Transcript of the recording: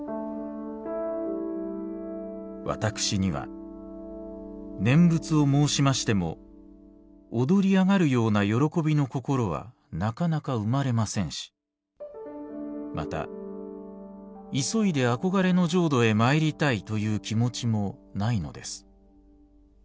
「私には念仏を申しましても躍りあがるような喜びの心はなかなか生まれませんしまた急いであこがれの浄土へまいりたいという気持ちもないのです。